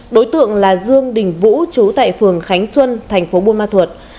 đối tượng là dương đình vũ chú tại phường khánh xuân thành phố buôn ma thuột